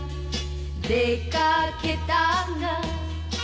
「出掛けたが」